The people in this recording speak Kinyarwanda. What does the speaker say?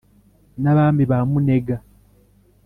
n’abami ba munega,